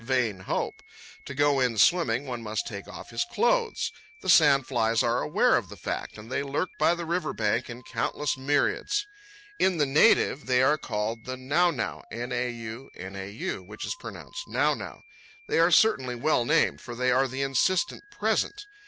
Vain hope! To go in swimming one must take off his clothes. The sand flies are aware of the fact, and they lurk by the river bank in countless myriads. In the native they are called the nau nau, which is pronounced "now now." They are certainly well named, for they are the insistent present.